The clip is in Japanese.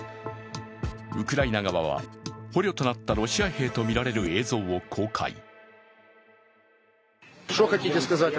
ウクライナ側は、捕虜となったロシア兵とみられる映像を公開。